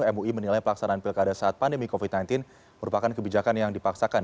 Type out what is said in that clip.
mui menilai pelaksanaan pilkada saat pandemi covid sembilan belas merupakan kebijakan yang dipaksakan